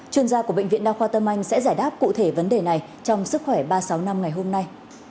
chuyên gia của bệnh viện đa khoa tâm anh sẽ giải đáp cụ thể vấn đề này trong sức khỏe ba trăm sáu mươi năm ngày hôm nay